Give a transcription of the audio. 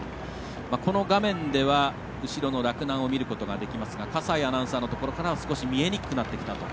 この画面では後ろの洛南を見ることができますが笠井アナウンサーのところからは見えにくくなってきたと。